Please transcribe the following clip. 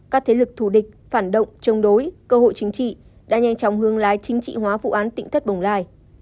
các thế lực thù địch phản động chống đối cơ hội chính trị đã nhanh chóng hương lái chính trị hóa vụ án tỉnh thất bồng lai